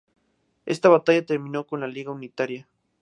Esta batalla terminó con la Liga Unitaria.